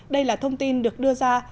đây là thông tin được đưa ra